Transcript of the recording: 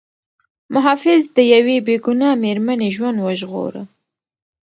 محافظ د یوې بې ګناه مېرمنې ژوند وژغوره.